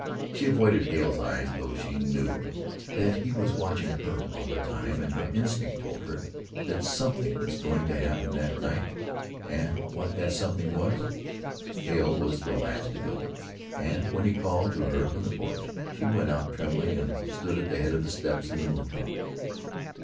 She avoided Hale's eyes though she knew that he was watching her all the time, and her instinct told her that something was going to happen that night and what that something was. Hale was the last to go and when he called to her from the porch, she went out trembling and stood at the head of the steps in the moonlight.